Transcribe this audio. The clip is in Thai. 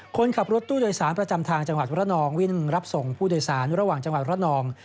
คนขับรถตู้โดยสารประจำทางจังหวัดระนองวิ่งรับส่งผู้โดยสารระหว่างจังหวัดระนอง